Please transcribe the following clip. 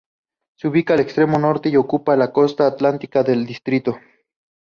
Se ubica en el extremo norte y ocupa toda la costa atlántica del distrito.